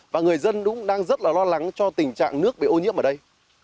và người dân cũng đang rất là lo lắng cho tình trạng nước bị ô nhiễm ở đây